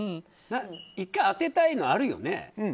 １回当てたいのあるよね。